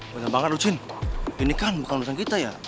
bener banget lucin ini kan bukan urusan kita ya